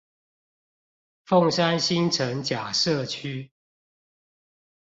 鳳山新城甲社區